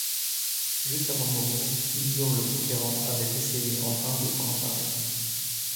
Juste avant de mourir, Guillaume le Conquérant avait essayé en vain de s'en emparer.